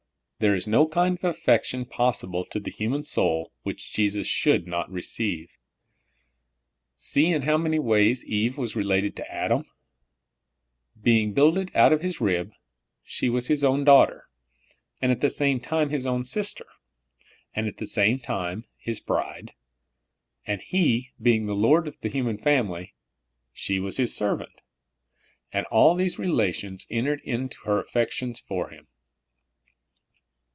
There is no kind of affection PERSONAL LOVE OF JESUS. 23 possible to the human soul which Jesus should uot re ceive. See in how many ways Eve was related to Adam ; being builded out of his rib, she was his own daughter, and at the same time his own sister, and at the same time his bride ; and he being the lord of the human famil}^, she was his servant, and all these rela tions entered into her affections for him.